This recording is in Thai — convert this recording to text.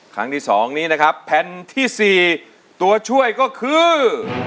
ที่๒นี้นะครับแผ่นที่๔ตัวช่วยก็คือ